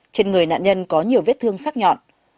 trên người nạn nhân có nhiều vết thương sắc nhọn